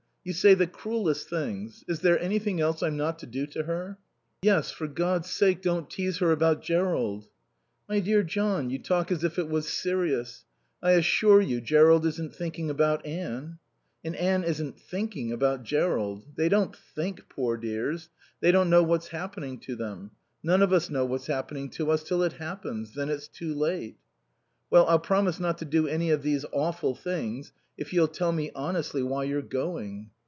You say the cruellest things. Is there anything else I'm not to do to her?" "Yes. For God's sake don't tease her about Jerrold." "My dear John, you talk as if it was serious. I assure you Jerrold isn't thinking about Anne." "And Anne isn't 'thinking' about Jerrold. They don't think, poor dears. They don't know what's happening to them. None of us know what's happening to us till it happens. Then it's too late." "Well, I'll promise not to do any of these awful things if you'll tell me, honestly, why you're going."